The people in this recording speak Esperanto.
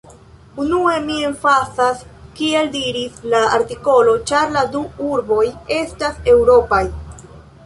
Unue, mi emfazas, kiel diris la artikolo, ĉar la du urboj estas eŭropaj.